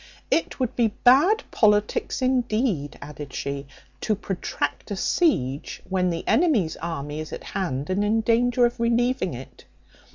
It would be bad politics, indeed," added she, "to protract a siege when the enemy's army is at hand, and in danger of relieving it.